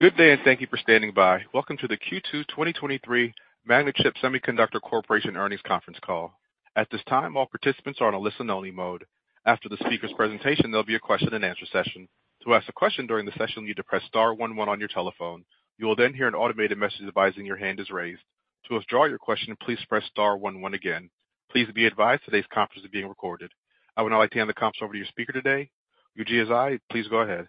Good day, and thank you for standing by. Welcome to the Q2 2023 Magnachip Semiconductor Corporation Earnings Conference Call. At this time, all participants are on a listen-only mode. After the speaker's presentation, there'll be a question-and-answer session. To ask a question during the session, you need to press star one one on your telephone. You will then hear an automated message advising your hand is raised. To withdraw your question, please press star one one again. Please be advised, today's conference is being recorded. I would now like to hand the conference over to your speaker today, Yujia Zhai, please go ahead.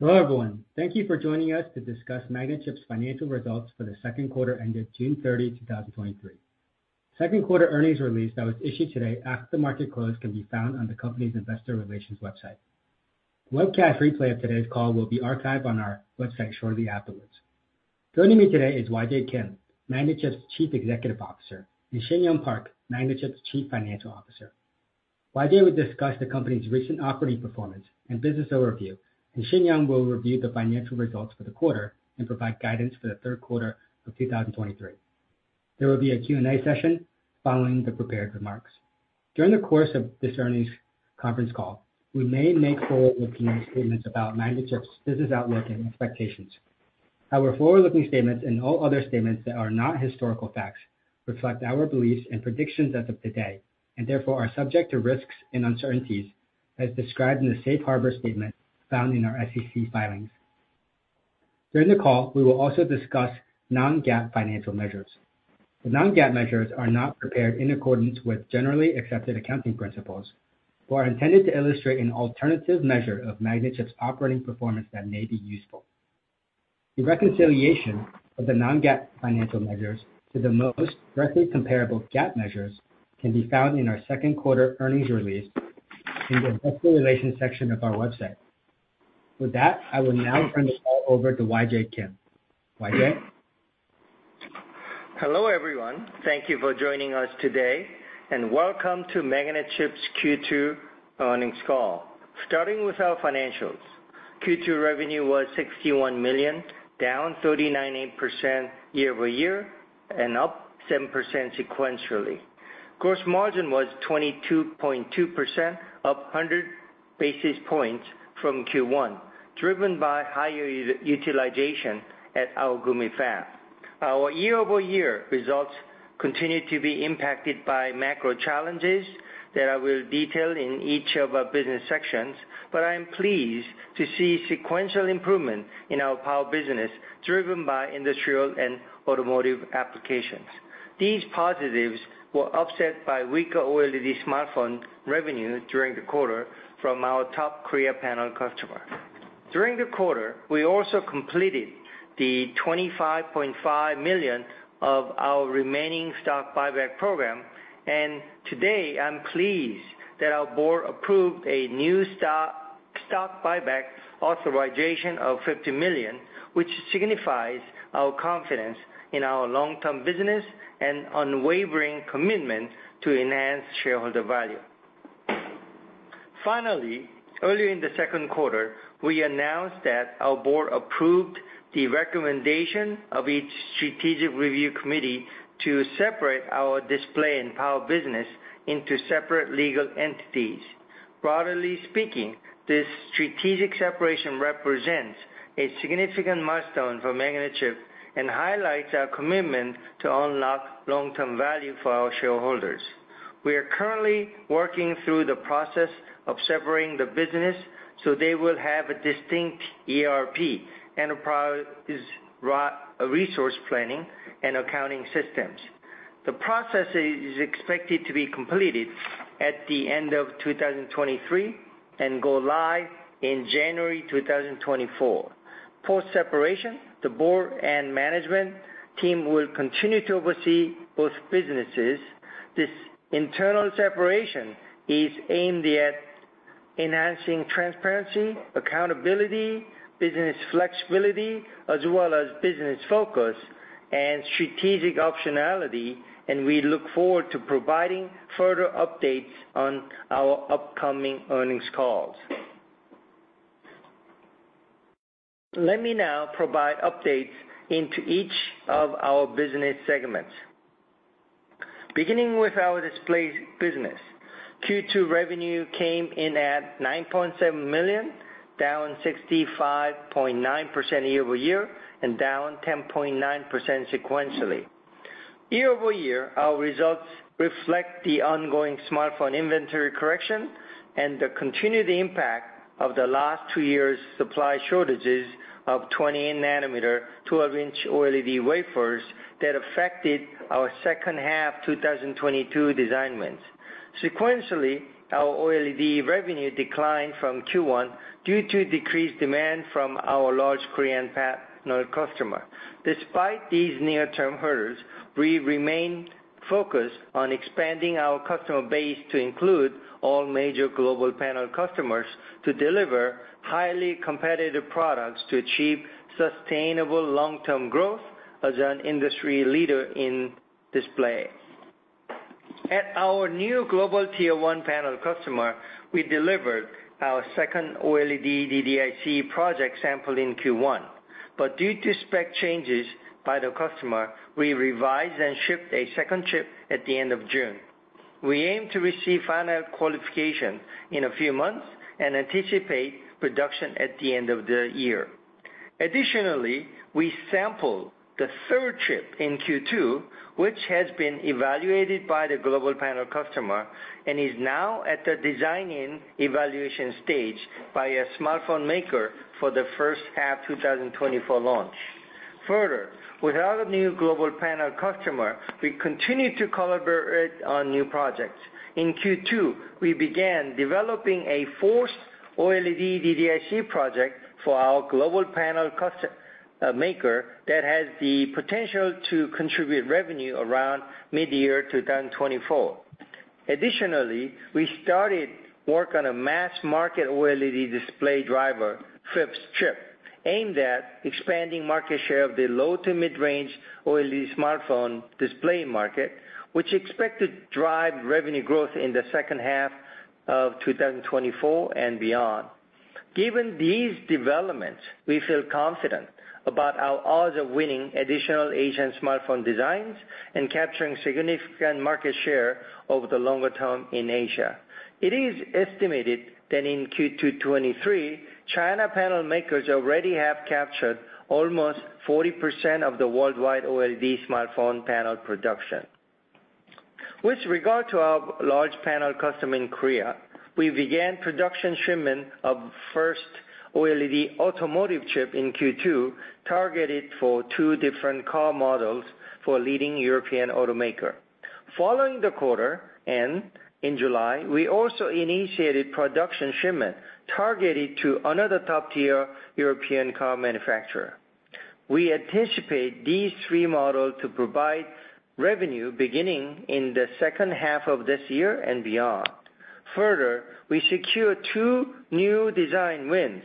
Hello, everyone. Thank you for joining us to discuss Magnachip's financial results for the second quarter ended June 30, 2023. Second quarter earnings release that was issued today after the market close, can be found on the company's investor relations website. Webcast replay of today's call will be archived on our website shortly afterwards. Joining me today is YJ Kim, Magnachip's Chief Executive Officer, and Shinyoung Park, Magnachip's Chief Financial Officer. YJ will discuss the company's recent operating performance and business overview. Shinyoung will review the financial results for the quarter and provide guidance for the third quarter of 2023. There will be a Q&A session following the prepared remarks. During the course of this earnings conference call, we may make forward-looking statements about Magnachip's business outlook and expectations. Our forward-looking statements and all other statements that are not historical facts, reflect our beliefs and predictions as of today, therefore are subject to risks and uncertainties as described in the safe harbor statement found in our SEC filings. During the call, we will also discuss non-GAAP financial measures. The non-GAAP measures are not prepared in accordance with generally accepted accounting principles, are intended to illustrate an alternative measure of Magnachip's operating performance that may be useful. The reconciliation of the non-GAAP financial measures to the most directly comparable GAAP measures can be found in our second quarter earnings release in the investor relations section of our website. With that, I will now turn the call over to YJ Kim. YJ? Hello, everyone. Thank you for joining us today, and welcome to Magnachip's Q2 earnings call. Starting with our financials. Q2 revenue was $61 million, down 39.8% year-over-year and up 7% sequentially. Gross margin was 22.2%, up 100 basis points from Q1, driven by higher utilization at our Gumi fab. Our year-over-year results continue to be impacted by macro challenges that I will detail in each of our business sections, but I am pleased to see sequential improvement in our power business, driven by industrial and automotive applications. These positives were offset by weaker OLED smartphone revenue during the quarter from our top Korea panel customer. During the quarter, we also completed the $25.5 million of our remaining stock buyback program. Today, I'm pleased that our board approved a new stock buyback authorization of $50 million, which signifies our confidence in our long-term business and unwavering commitment to enhance shareholder value. Earlier in the second quarter, we announced that our board approved the recommendation of each strategic review committee to separate our display and power business into separate legal entities. Broadly speaking, this strategic separation represents a significant milestone for Magnachip and highlights our commitment to unlock long-term value for our shareholders. We are currently working through the process of separating the business. They will have a distinct ERP, enterprise resource planning and accounting systems. The process is expected to be completed at the end of 2023 and go live in January 2024. Post-separation, the board and management team will continue to oversee both businesses. This internal separation is aimed at enhancing transparency, accountability, business flexibility, as well as business focus and strategic optionality, and we look forward to providing further updates on our upcoming earnings calls. Let me now provide updates into each of our business segments. Beginning with our display business. Q2 revenue came in at $9.7 million, down 65.9% year-over-year and down 10.9% sequentially. Year-over-year, our results reflect the ongoing smartphone inventory correction and the continued impact of the last two years' supply shortages of 20 nanometer, 12-inch OLED wafers that affected our second half 2022 design wins. Sequentially, our OLED revenue declined from Q1 due to decreased demand from our large Korean panel customer. Despite these near-term hurdles, we remain focused on expanding our customer base to include all major global panel customers, to deliver highly competitive products to achieve sustainable long-term growth as an industry leader in display. At our new global tier one panel customer, we delivered our second OLED DDIC project sample in Q1. Due to spec changes by the customer, we revised and shipped a second chip at the end of June. We aim to receive final qualification in a few months and anticipate production at the end of the year. Additionally, we sampled the third chip in Q2, which has been evaluated by the global panel customer and is now at the designing evaluation stage by a smartphone maker for the first half, 2024 launch. Further, with our new global panel customer, we continue to collaborate on new projects. In Q2, we began developing a fourth OLED DDIC project for our global panel customer maker that has the potential to contribute revenue around midyear 2024. Additionally, we started work on a mass market OLED display driver flip chip, aimed at expanding market share of the low to mid-range OLED smartphone display market, which expect to drive revenue growth in the second half of 2024 and beyond. Given these developments, we feel confident about our odds of winning additional Asian smartphone designs and capturing significant market share over the longer term in Asia. It is estimated that in Q2 2023, China panel makers already have captured almost 40% of the worldwide OLED smartphone panel production. With regard to our large panel customer in Korea, we began production shipment of first OLED automotive chip in Q2, targeted for two different car models for a leading European automaker. Following the quarter, and in July, we also initiated production shipment targeted to another top-tier European car manufacturer. We anticipate these three models to provide revenue beginning in the second half of this year and beyond. Further, we secure two new design wins,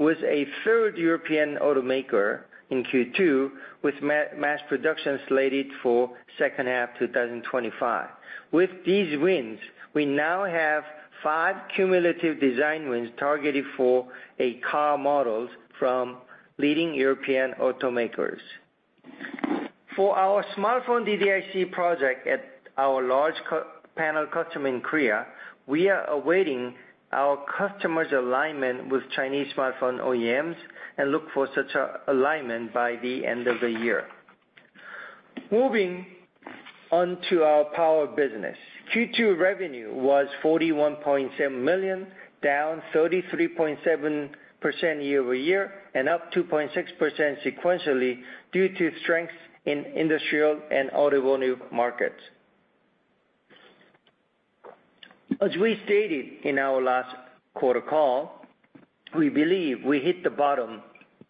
with a third European automaker in Q2, with mass production slated for second half 2025. With these wins, we now have five cumulative design wins targeted for a car models from leading European automakers. For our smartphone DDIC project at our large panel customer in Korea, we are awaiting our customer's alignment with Chinese smartphone OEMs, and look for such a alignment by the end of the year. Moving on to our power business. Q2 revenue was $41.7 million, down 33.7% year-over-year, and up 2.6% sequentially, due to strengths in industrial and automotive markets. As we stated in our last quarter call, we believe we hit the bottom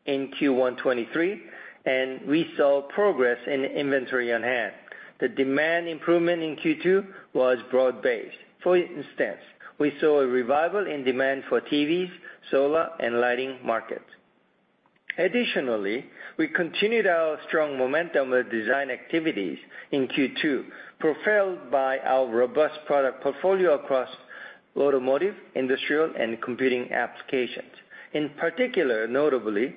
in Q1 2023, and we saw progress in inventory on hand. The demand improvement in Q2 was broad-based. For instance, we saw a revival in demand for TVs, solar, and lighting markets. Additionally, we continued our strong momentum with design activities in Q2, propelled by our robust product portfolio across automotive, industrial, and computing applications. In particular, notably,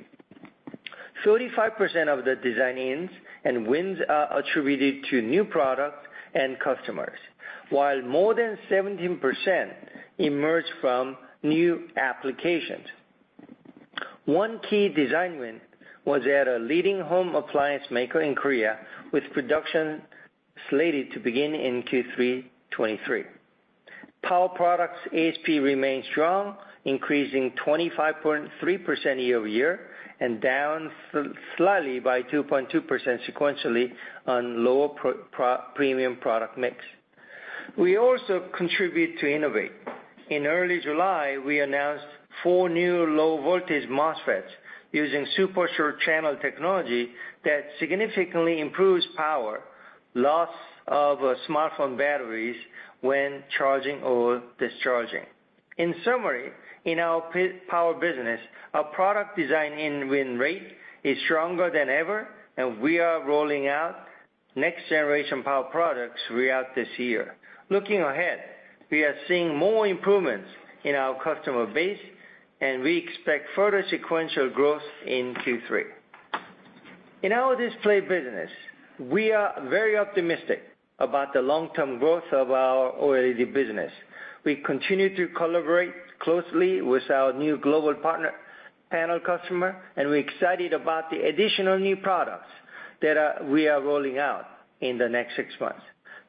35% of the design-ins and wins are attributed to new products and customers, while more than 17% emerged from new applications. One key design win was at a leading home appliance maker in Korea, with production slated to begin in Q3 2023. Power products ASP remained strong, increasing 25.3% year-over-year, down slightly by 2.2% sequentially on lower premium product mix. We also contribute to innovate. In early July, we announced four new low-voltage MOSFETs using super short channel technology that significantly improves power, loss of smartphone batteries when charging or discharging. In summary, in our power business, our product design in win rate is stronger than ever, we are rolling out next-generation power products throughout this year. Looking ahead, we are seeing more improvements in our customer base, we expect further sequential growth in Q3. In our display business, we are very optimistic about the long-term growth of our OLED business. We continue to collaborate closely with our new global partner, panel customer, we're excited about the additional new products that we are rolling out in the next six months.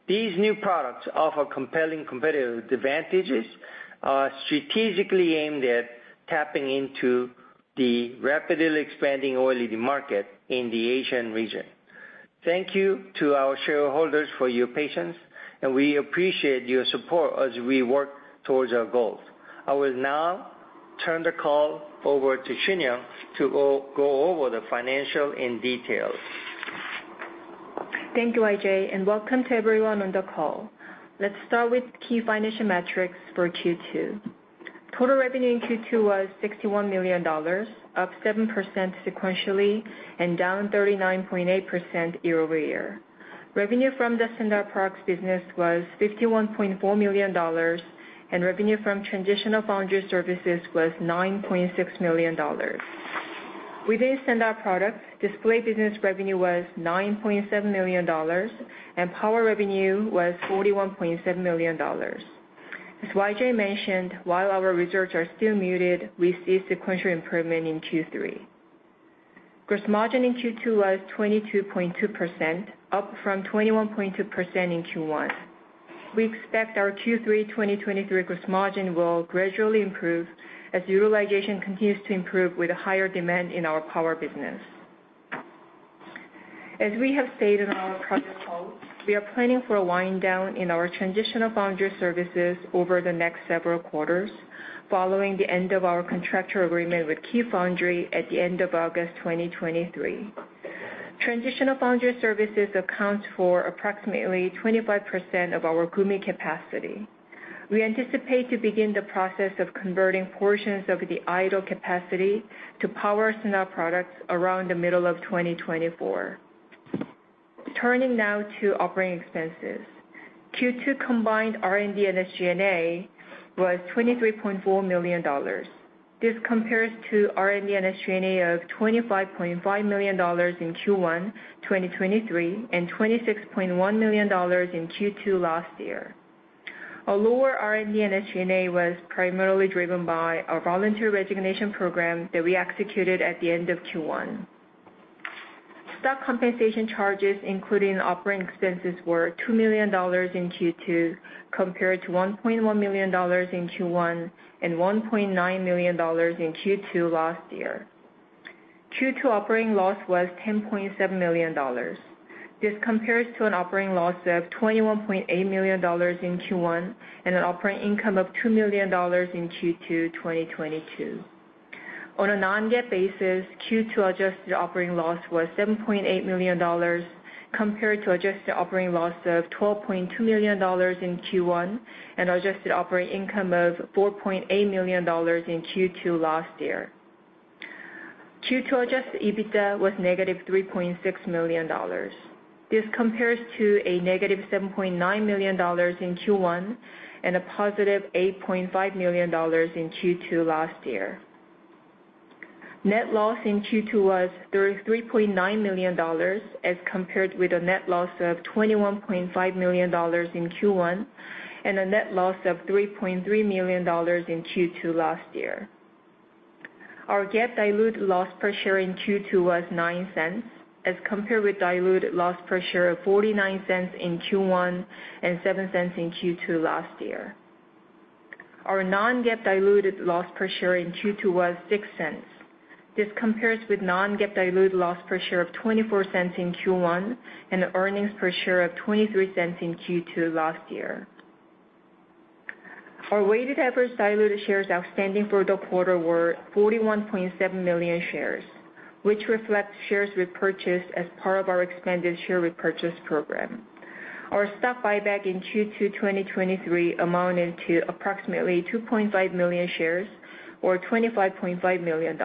These new products offer compelling competitive advantages, are strategically aimed at tapping into the rapidly expanding OLED market in the Asian region. Thank you to our shareholders for your patience, we appreciate your support as we work towards our goals. I will now turn the call over to Shinya to go over the financial in detail. Thank you, YJ, and welcome to everyone on the call. Let's start with key financial metrics for Q2. Total revenue in Q2 was $61 million, up 7% sequentially and down 39.8% year-over-year. Revenue from the standard products business was $51.4 million, and revenue from Transitional Foundry Services was $9.6 million. Within standard products, display business revenue was $9.7 million, and power revenue was $41.7 million. As YJ mentioned, while our results are still muted, we see sequential improvement in Q3. Gross margin in Q2 was 22.2%, up from 21.2% in Q1. We expect our Q3 2023 gross margin will gradually improve as utilization continues to improve with a higher demand in our power business. As we have stated on our product call, we are planning for a wind down in our Transitional Foundry Services over the next several quarters, following the end of our contractual agreement with Key Foundry at the end of August 2023. Transitional Foundry Services account for approximately 25% of our Gumi capacity. We anticipate to begin the process of converting portions of the idle capacity to power standard products around the middle of 2024. Turning now to operating expenses. Q2 combined R&D and SG&A was $23.4 million. This compares to R&D and SG&A of $25.5 million in Q1 2023, and $26.1 million in Q2 last year. Our lower R&D and SG&A was primarily driven by our voluntary resignation program that we executed at the end of Q1. Stock compensation charges, including operating expenses, were $2 million in Q2, compared to $1.1 million in Q1 and $1.9 million in Q2 last year. Q2 operating loss was $10.7 million. This compares to an operating loss of $21.8 million in Q1, and an operating income of $2 million in Q2, 2022. On a non-GAAP basis, Q2 adjusted operating loss was $7.8 million, compared to adjusted operating loss of $12.2 million in Q1, and adjusted operating income of $4.8 million in Q2 last year. Q2 adjusted EBITDA was negative $3.6 million. This compares to a negative $7.9 million in Q1, and a positive $8.5 million in Q2 last year. Net loss in Q2 was $33.9 million, as compared with a net loss of $21.5 million in Q1, a net loss of $3.3 million in Q2 last year. Our GAAP diluted loss per share in Q2 was $0.09, as compared with diluted loss per share of $0.49 in Q1 and $0.07 in Q2 last year. Our non-GAAP diluted loss per share in Q2 was $0.06. This compares with non-GAAP diluted loss per share of $0.24 in Q1 and earnings per share of $0.23 in Q2 last year. Our weighted average diluted shares outstanding for the quarter were 41.7 million shares, which reflects shares repurchased as part of our expanded share repurchase program. Our stock buyback in Q2 2023 amounted to approximately 2.5 million shares or $25.5 million.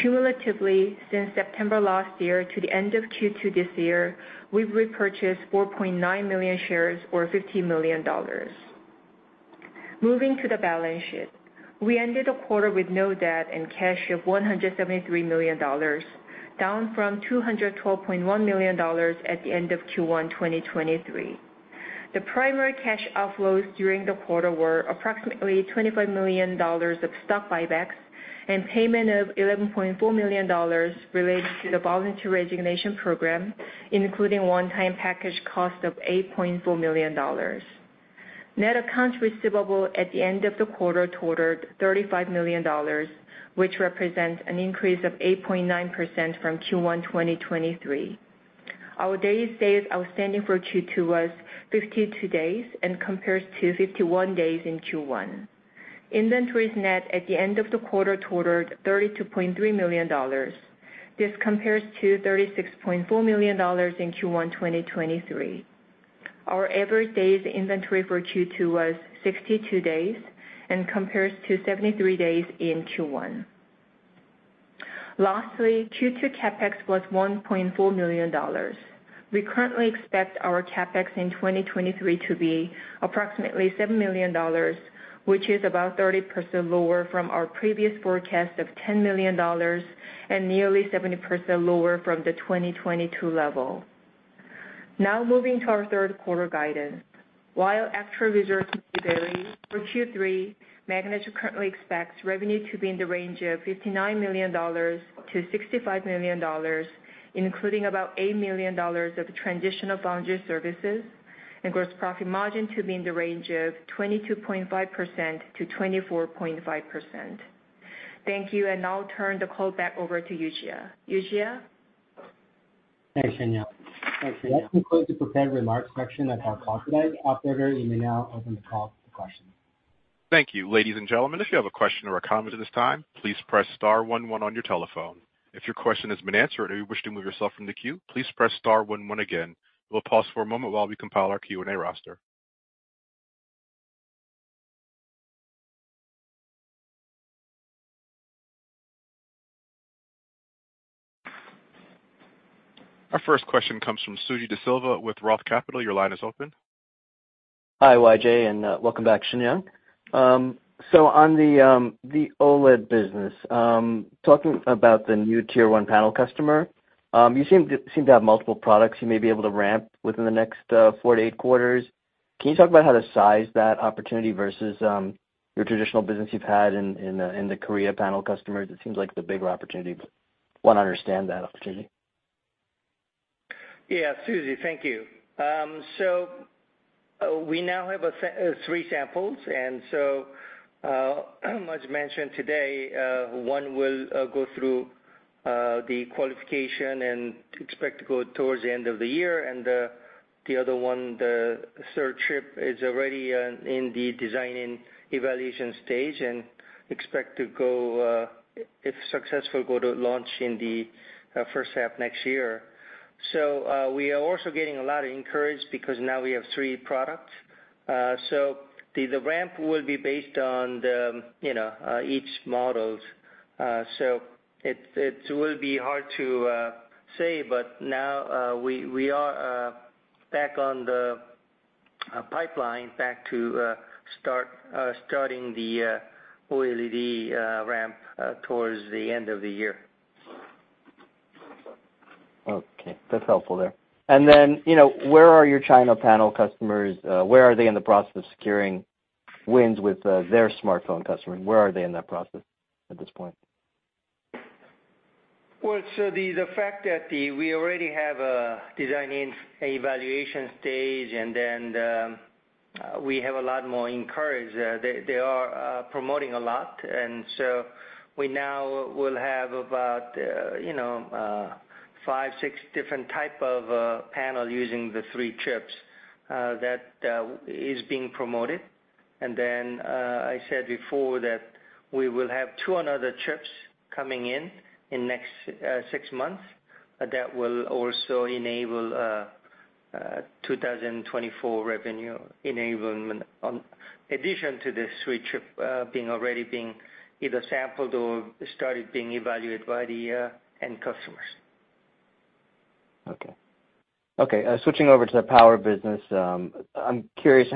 Cumulatively, since September last year to the end of Q2 this year, we've repurchased 4.9 million shares or $50 million. Moving to the balance sheet. We ended the quarter with no debt and cash of $173 million, down from $212.1 million at the end of Q1 2023. The primary cash outflows during the quarter were approximately $25 million of stock buybacks and payment of $11.4 million related to the voluntary resignation program, including one-time package cost of $8.4 million. Net accounts receivable at the end of the quarter totaled $35 million, which represents an increase of 8.9% from Q1 2023. Our days outstanding for Q2 was 52 days and compares to 51 days in Q1. Inventories net at the end of the quarter totaled $32.3 million. This compares to $36.4 million in Q1, 2023. Our average days inventory for Q2 was 62 days and compares to 73 days in Q1. Lastly, Q2 CapEx was $1.4 million. We currently expect our CapEx in 2023 to be approximately $7 million, which is about 30% lower from our previous forecast of $10 million and nearly 70% lower from the 2022 level. Now moving to our third quarter guidance. While actual results may vary, for Q3, Magnachip currently expects revenue to be in the range of $59 million-$65 million, including about $8 million of Transitional Foundry Services and gross profit margin to be in the range of 22.5%-24.5%. Thank you. Now I'll turn the call back over to Yujia. Yujia? Thanks, Danielle. Thanks, Danielle. That concludes the prepared remarks section of our call today. Operator, you may now open the call for questions. Thank you. Ladies and gentlemen, if you have a question or a comment at this time, please press star one one on your telephone. If your question has been answered or you wish to remove yourself from the queue, please press star one one again. We'll pause for a moment while we compile our Q&A roster. Our first question comes from Suji Desilva with Roth Capital. Your line is open. Hi, YJ, welcome back, Shinyoung. On the OLED business, talking about the new tier one panel customer, you seem to, seem to have multiple products you may be able to ramp within the next four to eight quarters. Can you talk about how to size that opportunity versus your traditional business you've had in the Korea panel customers? It seems like the bigger opportunity, one understand that opportunity. Yeah, Suji, thank you. We now have three samples, and as mentioned today, one will go through the qualification and expect to go towards the end of the year. The other one, the 3rd chip, is already in the designing evaluation stage and expect to go, if successful, go to launch in the 1st half next year. We are also getting a lot of encouraged because now we have three products. The ramp will be based on the, you know, each models. It's, it will be hard to say, but now, we are back on the pipeline, back to start starting the OLED ramp towards the end of the year. Okay, that's helpful there. You know, where are your China panel customers? Where are they in the process of securing wins with their smartphone customers? Where are they in that process at this point? Well, the fact that we already have design in evaluation stage, and then, we have a lot more encouraged. They are promoting a lot, and so we now will have about, you know, five, six different type of panel using the three chips that is being promoted. I said before that we will have two another chips coming in, in next six months, that will also enable 2024 revenue enablement on addition to the three chip being already being either sampled or started being evaluated by the end customers. Okay. Okay, switching over to the power business, I'm curious,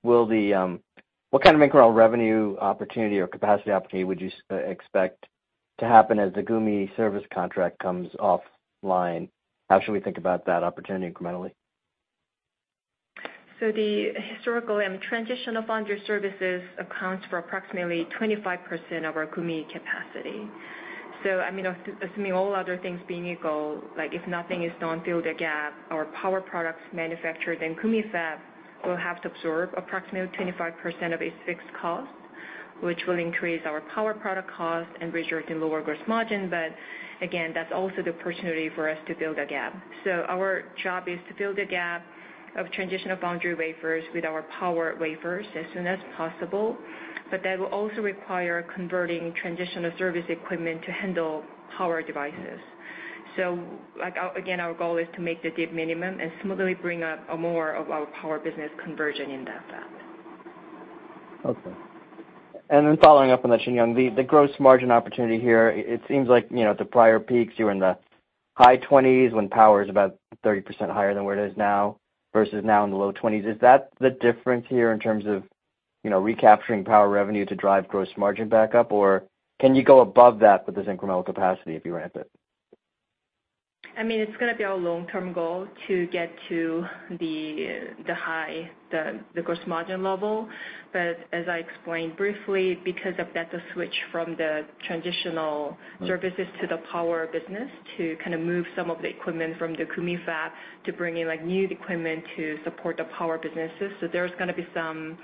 what kind of incremental revenue opportunity or capacity opportunity would you expect to happen as the Gumi service contract comes offline? How should we think about that opportunity incrementally? The historical and transitional foundry services accounts for approximately 25% of our Gumi capacity. I mean, assuming all other things being equal, like, if nothing is done to fill the gap, our power products manufactured in Gumi fab will have to absorb approximately 25% of its fixed cost, which will increase our power product cost and result in lower gross margin. Again, that's also the opportunity for us to fill the gap. Our job is to fill the gap of transitional foundry wafers with our power wafers as soon as possible, but that will also require converting transitional service equipment to handle power devices. Like, again, our goal is to make the dip minimum and smoothly bring up more of our power business conversion in that fab. Okay. Then following up on that, Shinyoung, the gross margin opportunity here, it seems like, you know, the prior peaks, you were in the high 20s when power is about 30% higher than where it is now, versus now in the low 20s. Is that the difference here in terms of, you know, recapturing power revenue to drive gross margin back up? Can you go above that with this incremental capacity if you ramp it? I mean, it's gonna be our long-term goal to get to the, the high, the, the gross margin level. As I explained briefly, because of that, the switch from the transitional services to the power business, to kind of move some of the equipment from the Gumi fab to bring in, like, new equipment to support the power businesses. There's gonna be some,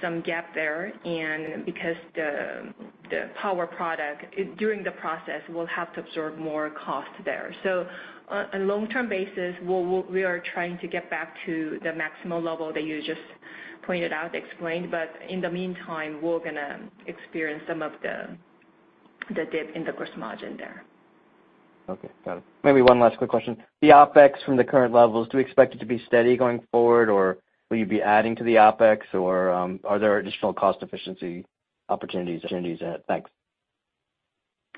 some gap there. Because the, the power product, during the process, will have to absorb more cost there. On, on long-term basis, we'll, we are trying to get back to the maximum level that you just pointed out, explained, but in the meantime, we're gonna experience some of the, the dip in the gross margin there. Okay, got it. Maybe one last quick question. The OpEx from the current levels, do we expect it to be steady going forward, or will you be adding to the OpEx, or are there additional cost efficiency opportunities? Thanks.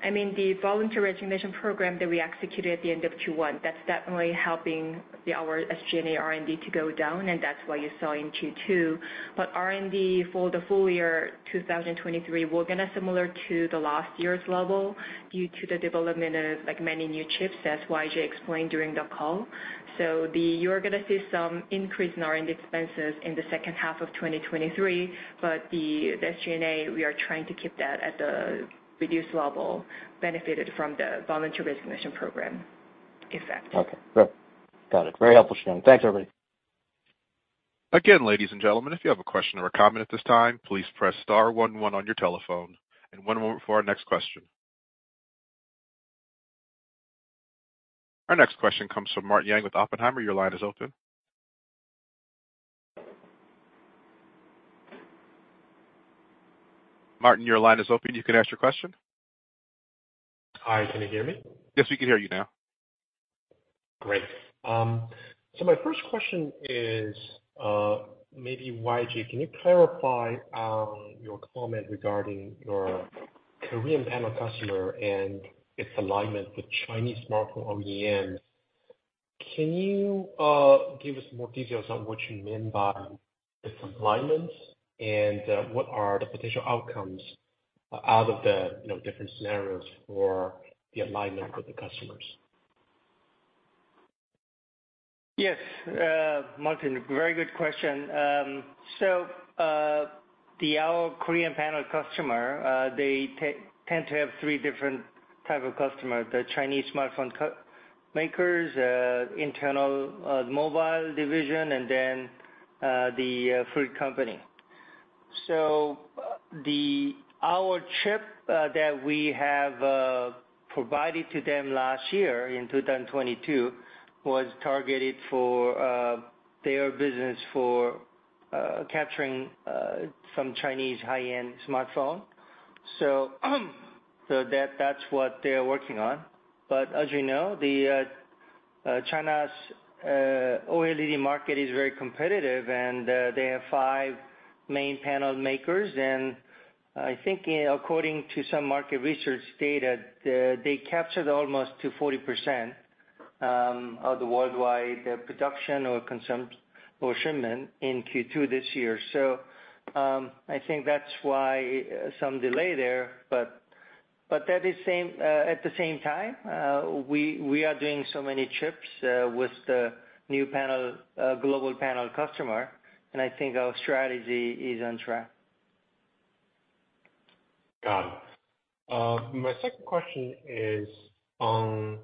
I mean, the voluntary resignation program that we executed at the end of Q1, that's definitely helping our SG&A R&D to go down, and that's why you saw in Q2. R&D for the full year 2023, we're going to similar to the last year's level due to the development of, like, many new chips, as YJ explained during the call. You're going to see some increase in our R&D expenses in the second half of 2023, but the SG&A, we are trying to keep that at the reduced level, benefited from the voluntary resignation program effect. Okay, great. Got it. Very helpful, Shinyoung. Thanks, everybody. Again, ladies and gentlemen, if you have a question or a comment at this time, please press star one one on your telephone. One moment for our next question. Our next question comes from Martin Yang with Oppenheimer. Your line is open. Martin, your line is open. You can ask your question. Hi, can you hear me? Yes, we can hear you now. Great. My first question is, maybe YJ, can you clarify your comment regarding your Korean panel customer and its alignment with Chinese smartphone on the end? Can you give us more details on what you mean by its alignment, and what are the potential outcomes out of the, you know, different scenarios for the alignment with the customers? Yes, Martin, very good question. Our Korean panel customer, they tend to have three different type of customer, the Chinese smartphone makers, internal mobile division, and then, the fruit company. Our chip that we have provided to them last year in 2022 was targeted for their business for capturing some Chinese high-end smartphone. That's what they are working on. As you know, China's OLED market is very competitive, and they have five main panel makers. I think according to some market research data, they captured almost to 40% of the worldwide production or shipment in Q2 this year. I think that's why some delay there, but, but at the same, at the same time, we, we are doing so many chips, with the new panel, global panel customer, and I think our strategy is on track. Got it. My second question is on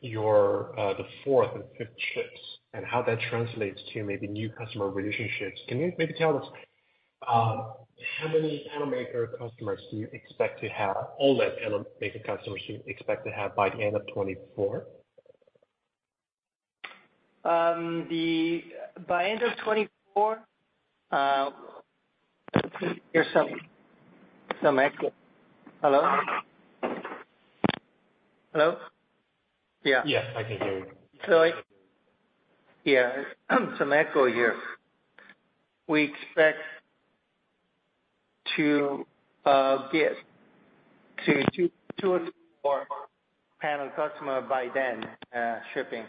your the fourth and fifth chips and how that translates to maybe new customer relationships. Can you maybe tell us how many panel maker customers do you expect to have, OLED panel maker customers do you expect to have by the end of 2024? The, by end of 2024, there's some, some echo. Hello? Hello. Yeah. Yes, I can hear you. Yeah, some echo here. We expect to get to two or three more panel customer by then, shipping.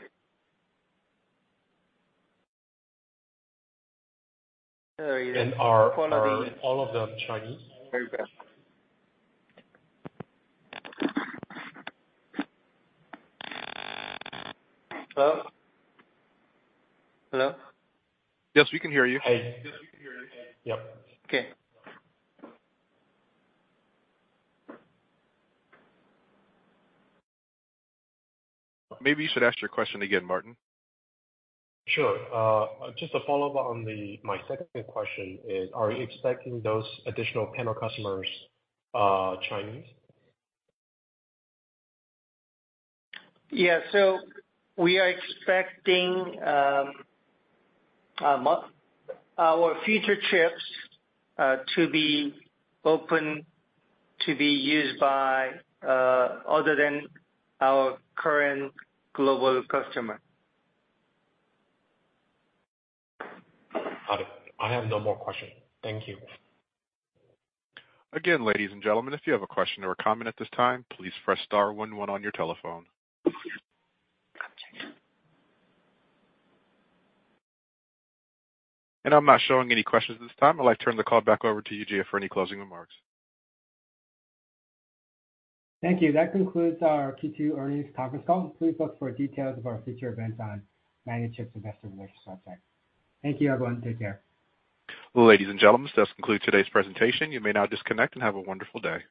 Sorry, the quality. Are, are all of them Chinese? Very well. Hello? Hello. Yes, we can hear you. Hi. Yes, we can hear you. Yep. Okay. Maybe you should ask your question again, Martin. Sure. Just a follow-up on the, my second question is, are you expecting those additional panel customers, Chinese? Yeah. We are expecting our future chips to be open, to be used by other than our current global customer. Got it. I have no more questions. Thank you. Again, ladies and gentlemen, if you have a question or a comment at this time, please press star one one on your telephone. I'm not showing any questions at this time. I'd like to turn the call back over to you, YJ, for any closing remarks. Thank you. That concludes our Q2 earnings conference call. Please look for details of our future events on Magnachip's Investor Relations website. Thank you, everyone. Take care. Ladies and gentlemen, this concludes today's presentation. You may now disconnect and have a wonderful day.